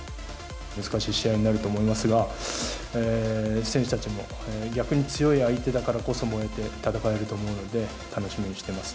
難しい試合になると思いますが、選手たちも、逆に強い相手だからこそ燃えて、戦えると思うので、楽しみにしてます。